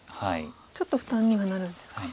ちょっと負担にはなるんですか。